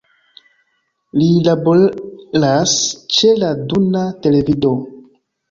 Li laboras ĉe la Duna Televido.